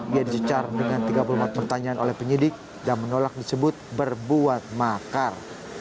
ia disecar dengan tiga puluh empat pertanyaan oleh penyidik dan menolak disebut berbuat makar